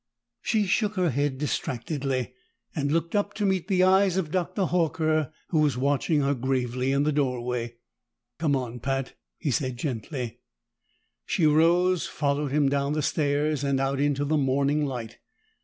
She shook her head distractedly, and looked up to meet the eyes of Dr. Horker, who was watching her gravely in the doorway. "Come on, Pat," he said gently. She rose, followed him down the stairs and out into the morning light.